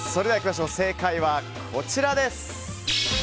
正解はこちらです。